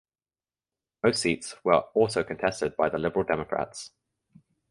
Most seats were also contested by the Liberal Democrats.